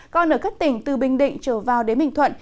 còn ở các tỉnh từ bình định trở vào đến bình thuận